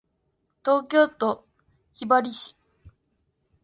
東京都雲雀市